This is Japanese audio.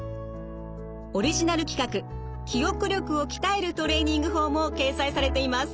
オリジナル企画記憶力を鍛えるトレーニング法も掲載されています。